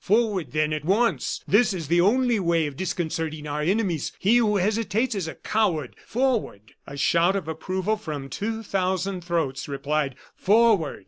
Forward, then, at once. That is the only way of disconcerting our enemies. He who hesitates is a coward! Forward!" A shout of approval from two thousand throats replied: "Forward!"